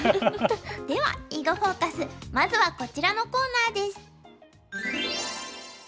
では「囲碁フォーカス」まずはこちらのコーナーです。